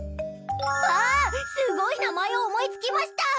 あっすごい名前を思い付きました。